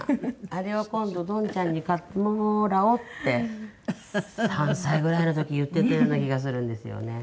「あれを今度どんちゃんに買ってもらおう」って３歳ぐらいの時言ってたような気がするんですよね。